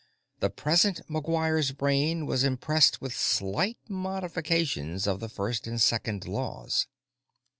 The present McGuire's brain was impressed with slight modifications of the First and Second Laws.